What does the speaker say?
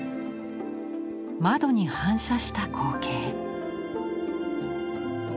窓に反射した光景。